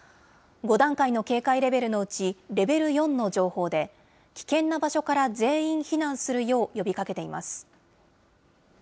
５段階の警戒レベルのうち、レベル４の情報で、危険な場所から全員避難するよう呼びかけています。